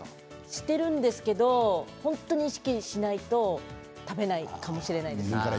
してるんですけどほんとに意識しないと食べないかもしれないです。